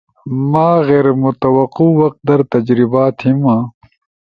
ما غیر متوقع وقت در تجربہ تھیما